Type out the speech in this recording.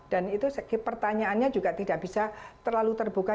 dan itu pertanyaannya juga tidak bisa terlalu terbuka